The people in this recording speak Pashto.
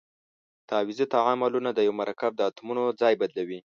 تعویضي تعاملونه د یوه مرکب د اتومونو ځای بدلوي.